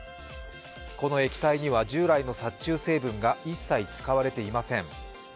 この液体には従来の殺虫成分が一切使われていません。